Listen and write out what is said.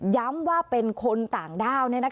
ย้ำว่าเป็นคนต่างด้าว